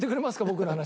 僕の話。